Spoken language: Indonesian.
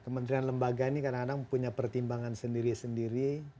kementerian lembaga ini kadang kadang punya pertimbangan sendiri sendiri